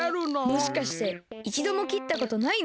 もしかしていちどもきったことないの？